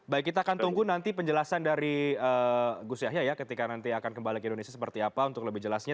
baik kita akan tunggu nanti penjelasan dari gus yahya ya ketika nanti akan kembali ke indonesia seperti apa untuk lebih jelasnya